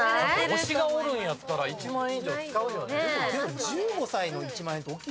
推しがおるんやったら１万円以上使うよね。